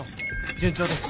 順調です。